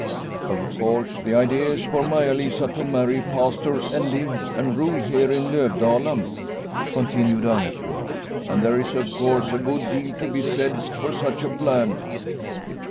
" Of course, the idea is for Maia Lisa to marry a pastor, and live and rule here in Lovdala/' continued Orneclou ;" and there is, of course, a good deal to be said for such a plan.